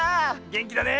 げんきだね！